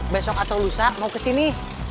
besok atau lusa mau kesini